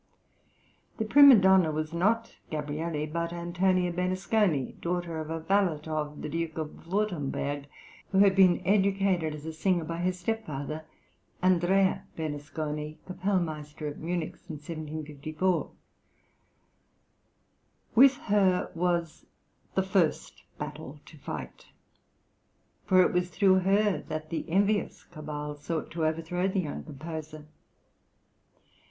The prima donna was not Gabrielli, but Antonia Bernasconi, daughter of a valet of the Duke of Wurtemberg, who had been educated as a singer by her stepfather, Andrea Bernasconi (kapellmeister at Munich since 1754). With her was "the first battle to fight," for it was through her that the envious cabal sought to overthrow the young composer.